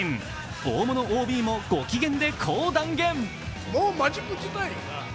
大物ＯＢもご機嫌でこう断言。